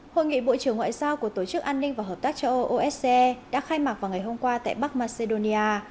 hội nghị bộ trưởng ngoại giao của tổ chức an ninh và hợp tác cho osce đã khai mạc vào ngày hôm qua tại bắc macedonia